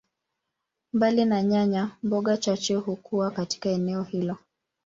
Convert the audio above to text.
Mbali na nyanya, mboga chache hukua katika eneo.